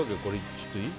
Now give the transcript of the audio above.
ちょっといい？